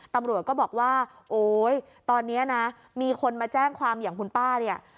ตำรวจก็บอกว่าโอ๊ยตอนนี้นะมีคนมาแจ้งความอย่างคุณป้าเนี่ย